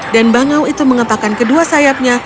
dan bangau itu mengepakkan kedua sayapnya